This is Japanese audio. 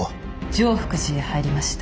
常福寺へ入りました。